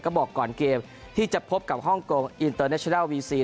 ก็บอกก่อนเกมที่จะพบกับฮ่องกงอินเตอร์เนชด้าวีซี